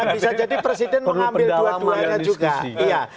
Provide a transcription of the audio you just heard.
bisa jadi presiden mengambil dua maya juga